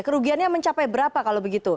kerugiannya mencapai berapa